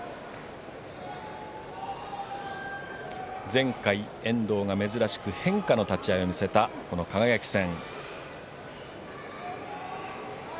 前回、遠藤が珍しく変化の立ち合いを見せたこの輝戦。